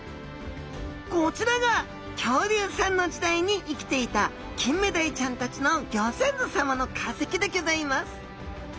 こちらが恐竜さんの時代に生きていたキンメダイちゃんたちのギョ先祖さまの化石でギョざいます。